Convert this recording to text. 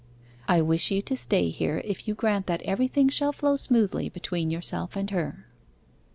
I wish you to stay here if you grant that everything shall flow smoothly between yourself and her.